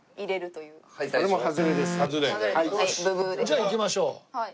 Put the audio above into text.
じゃあいきましょう。